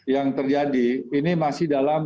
yang terjadi ini masih dalam